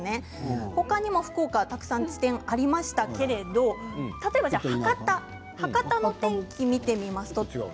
他にも福岡たくさん地点がありましたけれども例えば博多お天気を見てみましょう。